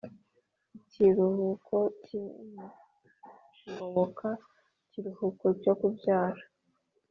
ikiruhuko cy’ingoboka, ikiruhuko cyo kubyara